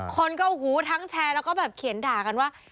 คนก็โอ้โหทั้งแชร์แล้วก็แบบเขียนด่ากันว่า